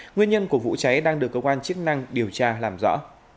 nguyên nhân của vụ cháy đang được cơ quan chức năng điều tra làm rõ